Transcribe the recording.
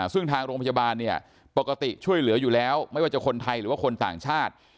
ซึ่งทางโรงพยาบาลเนี่ยปกติช่วยเหลืออยู่แล้วไม่ว่าจะคนไทยหรือว่าคนต่างชาติ